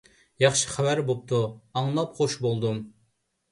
ياخشى خەۋەر بوپتۇ، ئاڭلاپ خۇش بولدۇم.